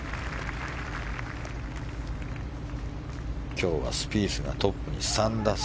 今日はスピースがトップに３打差。